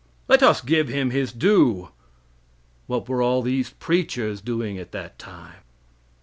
Let us give him his due. What were all these preachers doing at that time?